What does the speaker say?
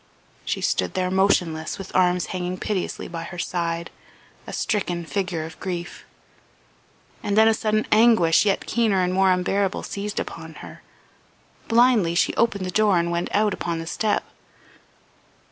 She stood there motionless, with arms hanging piteously by her side, a stricken figure of grief; then a sudden anguish yet keener and more unbearable seized upon her; blindly she opened the door and went out upon the step.